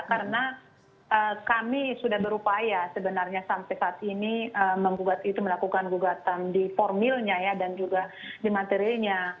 karena kami sudah berupaya sebenarnya sampai saat ini melakukan gugatan di formilnya ya dan juga di materinya